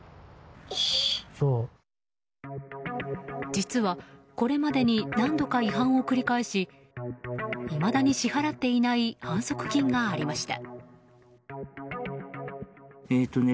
実は、これまでに何度か違反を繰り返しいまだに支払っていない反則金がありました。